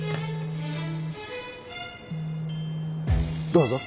どうぞ。